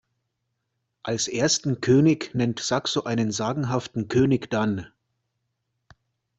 Als ersten König nennt Saxo einen sagenhaften König Dan.